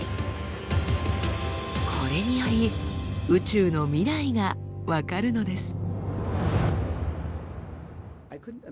これにより宇宙の未来が分かるのです。